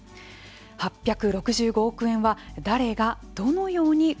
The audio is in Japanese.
８６５億円は誰がどのように奪い去ったのか。